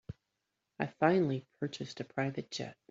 I finally purchased a private jet.